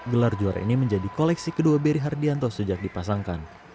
gelar juara ini menjadi koleksi kedua beri hardianto sejak dipasangkan